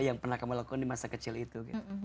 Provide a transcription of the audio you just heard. yang pernah kamu lakukan di masa kecil itu